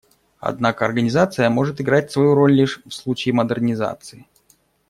Однако Организация может играть свою роль лишь в случае модернизации.